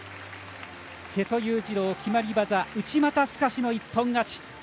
瀬戸勇次郎、決まり技内股すかしの一本勝ち。